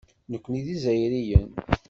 Nekkni d Izzayriyen.